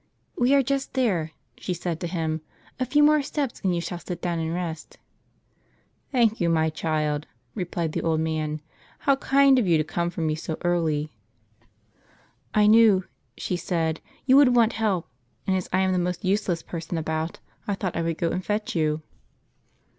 "We are just there," she said to him; "a few more steps, and you shall sit down and rest." "Thank you, my child," replied the poor old man, "how kind of you to come for me so early !" "I knew," she said, "you would want help; and as I am the most useless person about, I thought I would go and fetch you."